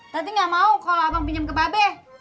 tati gak mau kalau abang pinjem ke babe